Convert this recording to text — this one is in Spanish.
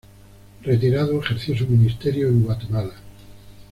Retirado, ejerció su ministerio en Guatemala.